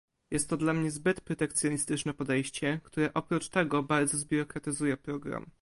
Jest to dla mnie zbyt protekcjonistyczne podejście, które oprócz tego bardzo zbiurokratyzuje program